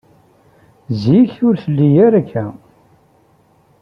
Zik, ur telli ara akka.